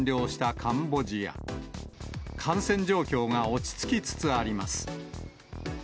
感染状況が落ち着きつつあります。